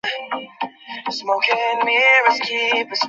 আচ্ছা, রসিকবাবু, নৃপবালা বুঝি খুব বিষণ্ন হয়ে পড়েছেন– বিপিন।